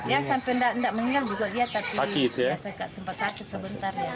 ya sampai tidak meninggal juga dia tapi sempat cacit sebentar ya